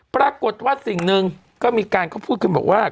ปรากฏว่าสิ่งหนึ่งก็มีการเขาพูดขึ้นบอกว่า